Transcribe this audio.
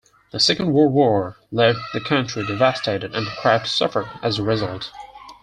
The Second World War left the country devastated and craft suffered as a result.